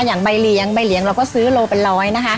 อย่างใบเลี้ยงใบเลี้ยงเราก็ซื้อโลเป็นร้อยนะคะ